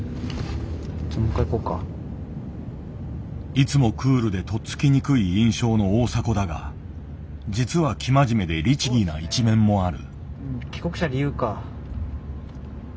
いつもクールでとっつきにくい印象の大迫だが実は生真面目で律儀な一面もある。